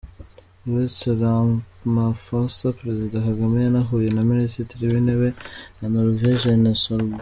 Uretse Ramaphosa, Perezida Kagame yanahuye na Minisitiri w’Intebe wa Norvège, Erna Solberg.